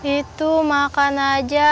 itu makan aja